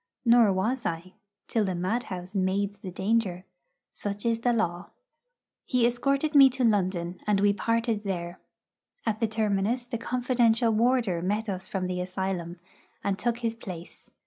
Nor was I till the madhouse made the danger. Such is the law. He escorted me to London, and we parted there. At the terminus the confidential warder met us from the asylum, and took his place.